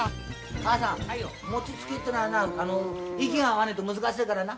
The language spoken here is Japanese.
母さん餅つきってのはな息が合わないと難しいからな。